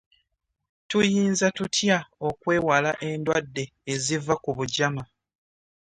Tuyinza tutya okwewala endwadde eziva ku bujama?